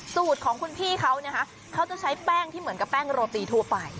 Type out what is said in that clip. สูตรของคุณพี่เขานะคะเขาจะใช้แป้งที่เหมือนกับแป้งโรตีทั่วไป